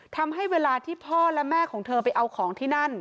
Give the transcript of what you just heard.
ทำให้เวลาที่พ่อและแม่ของเธอไปเอาของที่นั่น